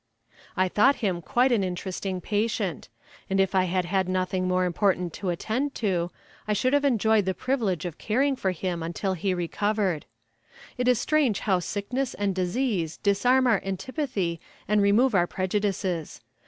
I thought him quite an interesting patient, and if I had had nothing more important to attend to, I should have enjoyed the privilege of caring for him until he recovered. It is strange how sickness and disease disarm our antipathy and remove our prejudices.